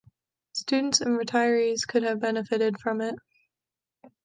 Students and retirees could have benefited from it.